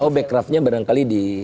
oh back craftnya barangkali dihapus